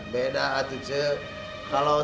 beda itu cek kalau